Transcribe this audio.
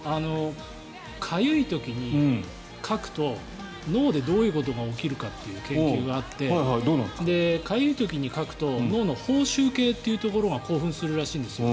かゆい時にかくと、脳でどういうことが起きるかという研究があってかゆい時にかくと脳の報酬系というところが興奮するらしいんですよ。